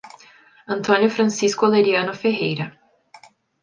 Antônio Francisco Oleriano Ferreira